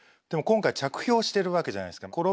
でも今回着氷してるわけじゃないですか。